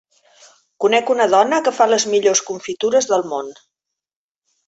Conec una dona que fa les millors confitures del món.